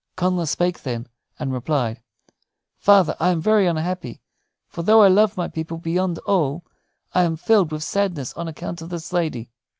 Connla spake then, and replied, "Father, I am very unhappy; for though I love my people beyond all, I am filled with sadness on account of this lady!"